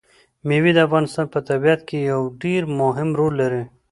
مېوې د افغانستان په طبیعت کې یو ډېر مهم رول لري.